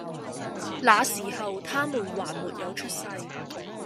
那時候，他們還沒有出世，